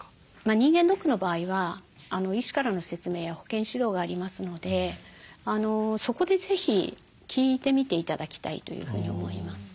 人間ドックの場合は医師からの説明や保健指導がありますのでそこで是非聞いてみて頂きたいというふうに思います。